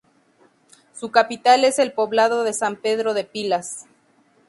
Su capital es el poblado de San Pedro de Pilas.